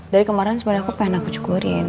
dari kemarin sebenarnya aku pengen aku syukurin